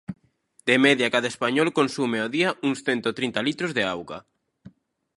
De media, cada español consume, ao día, uns cento trinta litros de auga.